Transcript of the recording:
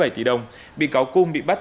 sáu mươi bảy tỷ đồng bị cáo cung bị bắt